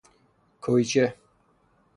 کویچه